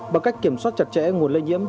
bằng cách kiểm soát chặt chẽ nguồn lây nhiễm